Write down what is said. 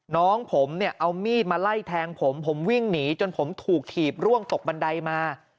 น้องผมเนี่ยเอามีดมาไล่แทงผมผมวิ่งหนีจนผมถูกถีบร่วงตกบันไดมา